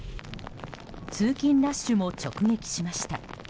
通勤ラッシュも直撃しました。